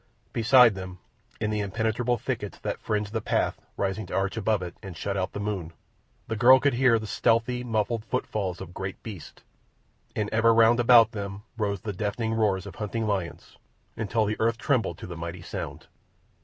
Beside them, in the impenetrable thickets that fringed the path, rising to arch above it and shut out the moon, the girl could hear the stealthy, muffled footfalls of great beasts, and ever round about them rose the deafening roars of hunting lions, until the earth trembled to the mighty sound.